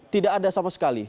tidak ada sama sekali